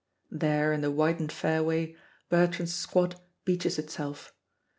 There in the widened fairway, Bertrand's squad beaches itself.